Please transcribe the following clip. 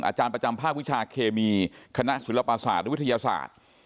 อาจารย์ประจำภาควิชาเคมีคณะศิลปศาสตร์และวิทยาศาสตร์